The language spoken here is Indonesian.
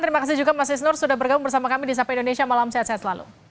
terima kasih juga mas isnur sudah bergabung bersama kami di sapa indonesia malam sehat sehat selalu